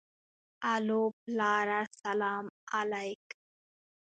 الو پلاره سلام عليک.